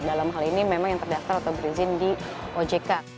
dalam hal ini memang yang terdaftar atau berizin di ojk